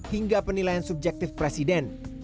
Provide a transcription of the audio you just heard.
hingga penilaian subjektif presiden